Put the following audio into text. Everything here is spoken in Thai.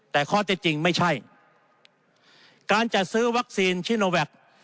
แต่ข้อเท็จจริงไม่ใช่การจัดซื้อวัคซีนชิโนแวค